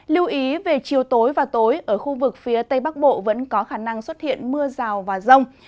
lưu ý về chiều tối và tối ở khu vực phía tây bắc bộ vẫn có khả năng xuất hiện mưa rào và rông